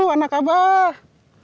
tuh anak abah